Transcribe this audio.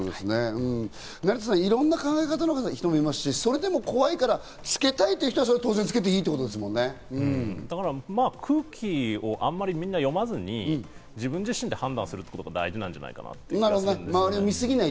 成田さん、いろんな考えの方がいますし、それでも怖いからつけたいという人は当然つけていいと空気をあんまり読まずに、自分自身で判断することが大事なんじゃないかなと思います。